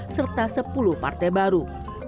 serta sepuluh partai baru